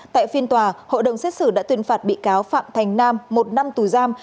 tại phiên tòa hội đồng xét xử đã tuyên phạt bị cáo phạm thành nam một năm tù giam